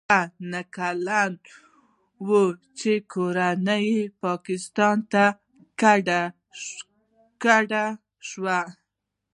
هغه نهه کلن و چې کورنۍ یې پاکستان ته کډه شوه.